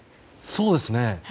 そうですね。